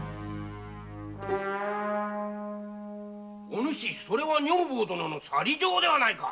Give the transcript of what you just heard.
お主それは女房殿の去り状ではないか？